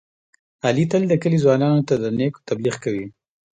علي تل د کلي ځوانانو ته د نېکو تبلیغ کوي.